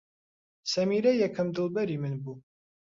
سەمیرە یەکەم دڵبەری من بوو.